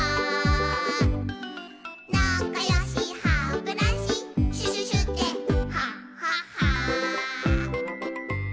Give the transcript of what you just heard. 「なかよしハブラシシュシュシュでハハハ」